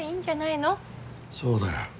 そうだよ。